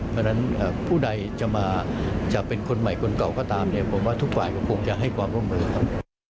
เพราะฉะนั้นผู้ใดจะมาจะเป็นคนใหม่คนเก่าก็ตามเนี่ยผมว่าทุกฝ่ายก็คงจะให้ความร่วมมือครับ